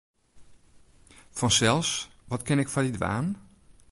Fansels, wat kin ik foar dy dwaan?